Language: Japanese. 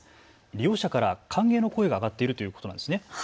利用者から歓迎の声が上がっているということなんですね。